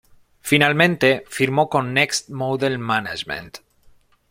Finalmente firmó con Next Model Management.